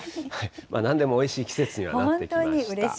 何でもおいしい季節にはなってきました。